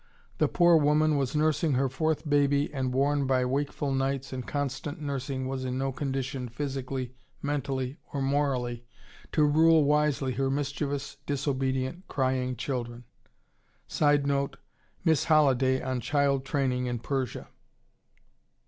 The poor woman was nursing her fourth baby, and worn by wakeful nights and constant nursing was in no condition, physically, mentally, or morally, to rule wisely her mischievous, disobedient, crying children. [Sidenote: Miss Holliday on child training in Persia.